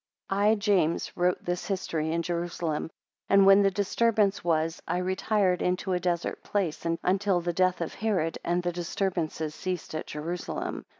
(I James wrote this History in Jerusalem: and when the disturbance was I retired into a desert place, until the death of Herod, and the disturbances ceased at Jerusalem.